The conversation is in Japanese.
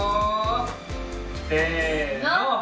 せの！